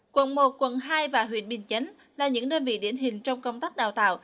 quận một quận hai và huyện bình chấn là những nơi bị điển hình trong công tác đào tạo